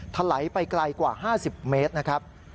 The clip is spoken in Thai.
ถลายไปไกลกว่า๕๐เมตรนะครับ